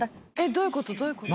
どういうことどういうこと？